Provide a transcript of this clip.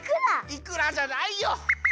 イクラじゃないよ！